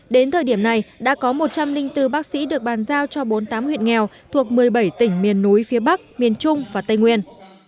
đến thời điểm này đã có một trăm linh bốn bác sĩ được bàn giao cho bốn mươi tám huyện nghèo thuộc một mươi bảy tỉnh miền núi phía bắc miền trung và tây nguyên